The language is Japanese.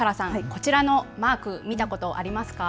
こちらのマーク、見たことありますか。